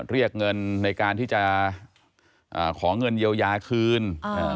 เรียกเงินในการที่จะขอเงินเยียวยาคืน